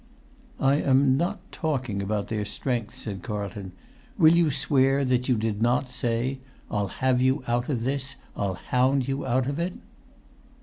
"I am not talking about their strength," said Carlton. "Will you swear that you did not say, 'I'll have you out of this! I'll hound you out of it'?"